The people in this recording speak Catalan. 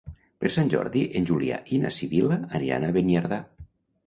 Per Sant Jordi en Julià i na Sibil·la aniran a Beniardà.